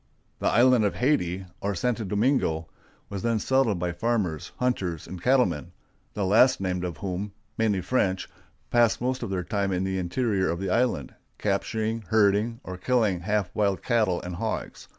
The island of Hayti, or Santo Domingo, was then settled by farmers, hunters, and cattlemen, the last named of whom, mainly French, passed most of their time in the interior of the island, capturing, herding, or killing half wild cattle and hogs.